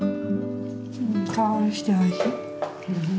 いい香りしておいしい。